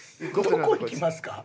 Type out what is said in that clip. どこ行きますか？